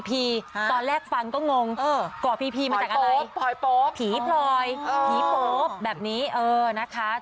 ตอนแรกฟังก็งงเกาะพี่มาจากอะไร